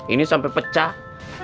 ini sampai pecah